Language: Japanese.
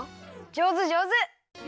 じょうずじょうず！